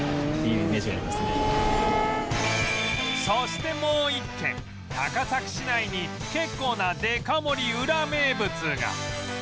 そしてもう一軒高崎市内に結構なデカ盛りウラ名物が